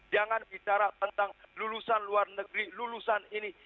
jangan bicara tentang lulusan luar negeri lulusan ini